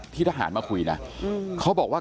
ทหารมาคุยนะเขาบอกว่า